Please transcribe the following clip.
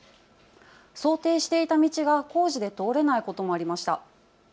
想定していた道が工事で通れないこともありました。